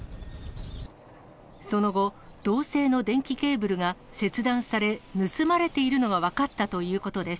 その後、銅製の電気ケーブルが切断され、盗まれているのが分かったということです。